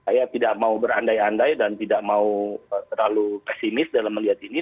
saya tidak mau berandai andai dan tidak mau terlalu pesimis dalam melihat ini